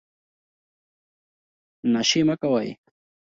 نشې مه کوئ